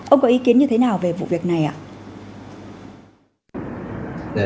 ông có ý kiến như thế nào về vụ việc này ạ